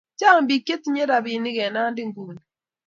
Chang pik tindo rapinik en Nandi nguni.